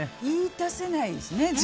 言い出せないですよね